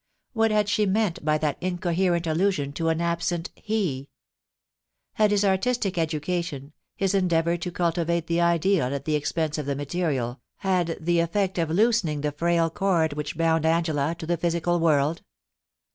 What had she meant by that incoherent TOM DUNGIE GOSSIPS. iTI allusion to an absent ht7 Had his artistic education, his endeavour to cultivate the ideal at the expense of the material, had the effect of loosening the frail cord which bound Angela to the physical world